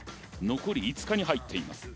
残り５日に入っています